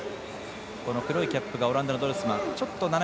黒いキャップがオランダのドルスマン。